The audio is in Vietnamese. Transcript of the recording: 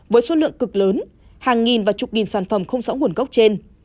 với số lượng cực lớn hàng nghìn và chục nghìn sản phẩm không rõ nguồn gốc trên